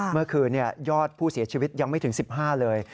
เมื่อคืนยอดผู้เสียชีวิตยังไม่ถึง๑๕เลย